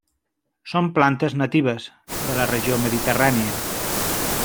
Són plantes natives de la regió mediterrània.